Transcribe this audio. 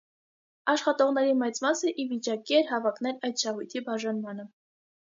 Աշխատողների մեծ մասը ի վիճակի էր հավակնել այդ «շահույթի բաժանմանը»։